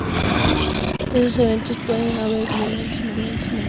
Estos eventos pueden haber comenzado en diferentes momentos en diferentes partes del país.